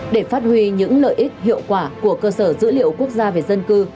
để phát huy những lợi ích hiệu quả của cơ sở dữ liệu quốc gia về dân cư